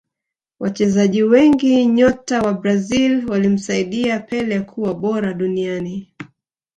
Wachezaji wengi nyota wa Brazil walimsaidia pele kuwa bora duniani